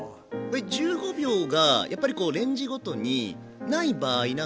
１５秒がやっぱりこうレンジごとに無い場合なんかは。